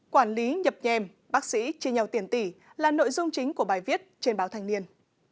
quản lý nhập nhèm bác sĩ chia nhau tiền tỷ là nội dung chính của bài viết trên báo thanh niên